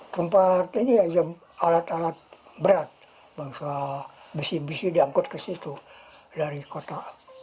tempat ini adalah alat alat berat bangsa bisi bisi diangkut ke situ dari kota